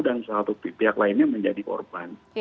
dan salah satu pihak lainnya menjadi korban